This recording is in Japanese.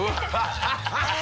ハハハハ！